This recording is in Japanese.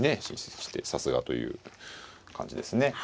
進出してさすがという感じですね。